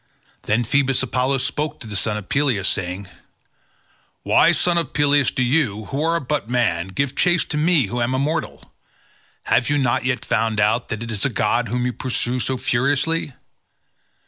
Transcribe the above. Then Phoebus Apollo spoke to the son of Peleus saying, "Why, son of Peleus, do you, who are but man, give chase to me who am immortal? Have you not yet found out that it is a god whom you pursue so furiously?